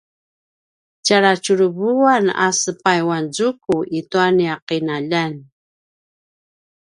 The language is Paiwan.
tjaljatjuruvuan a sepayuanzuku i tua nia ’inaljan